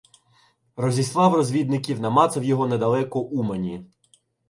Розіслав розвідників, намацав його недалеко Умані.